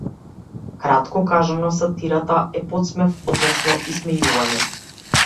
Кратко кажано, сатирата е потсмев, односно исмејување.